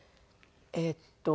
えっと